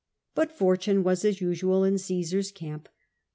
But fortune was, as usual, in Cmsar's camp.